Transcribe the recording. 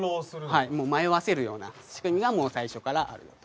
はい迷わせるような仕組みが最初からあるよと。